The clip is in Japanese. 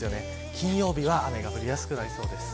金曜日は雨が降りやすくなりそうです。